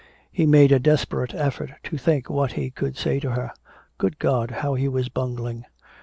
He made a desperate effort to think what he could say to her. Good God, how he was bungling!